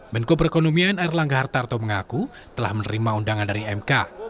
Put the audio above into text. menko perekonomian erlangga hartarto mengaku telah menerima undangan dari mk